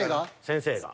先生が。